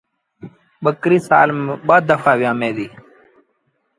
ٻڪريٚ سآل ميݩ ٻآ دڦآ ويٚآمي ديٚ۔